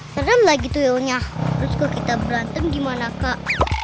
serem lagi tuyulnya terus kita berantem gimana kak